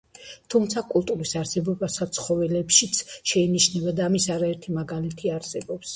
თუმცა კულტურის არსებობა სხვა ცხოველებშიც შეინიშნება და ამის არაერთი მაგალითი არსებობს.